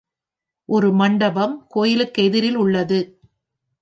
ஒரு மண்டபம் கோவிலுக்கு எதிரில் உள்ளது.